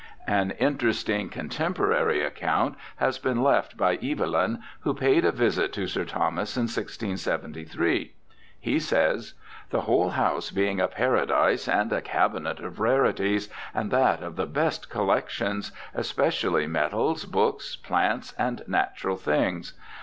An interesting contemporary account has been left by Evelyn, who paid a visit to Sir Thomas in 1673. He says :*... the whole house being a paradise and a cabinet of rarities, and that of the best collections, especially medails, books, plants, and natural things.